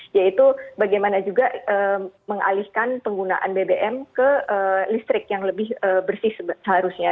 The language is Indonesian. yaitu bagaimana juga mengalihkan penggunaan bbm ke listrik yang lebih bersih seharusnya